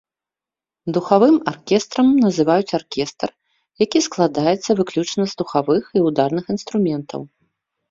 Духавым аркестрам называюць аркестр, які складаецца выключна з духавых і ўдарных інструментаў.